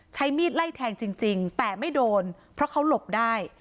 ใช้มีดไล่แทงจริงแต่ไม่โดนเพราะเขาหลบได้